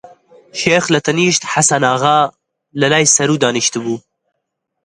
شێخ لەتەنیشت حەسەناغا لە لای سەروو دانیشتبوو